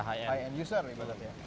high end user ini berarti ya